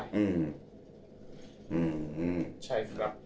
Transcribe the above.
อืมใช่ครับ